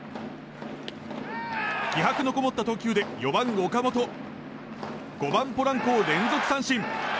気迫のこもった投球で４番、岡本５番ポランコを連続三振。